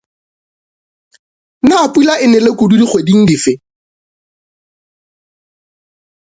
Na pula e nele kudu dikgweding dife?